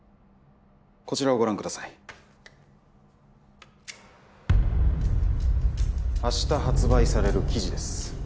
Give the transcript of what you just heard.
こちらをご覧ください明日発売される記事です